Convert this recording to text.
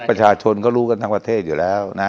ประชาชนก็รู้กันทั้งประเทศอยู่แล้วนะ